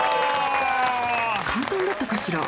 簡単だったかしら？